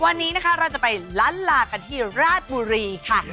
วันนี้นะคะเราจะไปล้านลากันที่ราชบุรีค่ะ